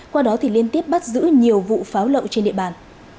qua đó thì liên tiếp bắt giữ nhiều vụ pháo lậu trên địa bàn